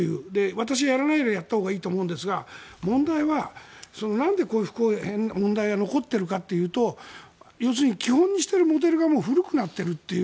私、やらないよりやったほうがいいと思うんですが、問題はなんでこういう不公平な問題が残っているかというと要するに基本にしているモデルが古くなっているという。